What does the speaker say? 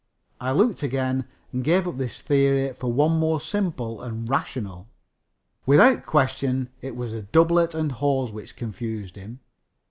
I looked again and gave up this theory for one more simple and rational. Without question it was the doublet and hose which confused him.